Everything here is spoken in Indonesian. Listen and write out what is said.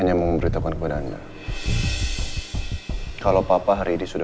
saya petunjuk ayah kepada pak padahal ada atau itu tidak